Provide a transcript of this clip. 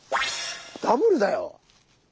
ダブルだよ。